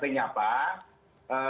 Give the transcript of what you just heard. selama hampir satu bulan